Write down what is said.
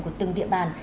của từng địa bàn